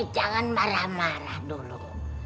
jangan marah marah dulu